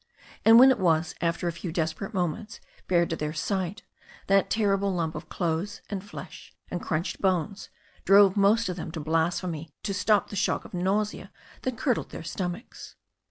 And when it was, after a few desperate mo ments, bared to their sight, that terrible lump of clothes and flesh and crunched bones drove most of them to blas phemy to stop the shock of nausea that curdled their stom ^ achs.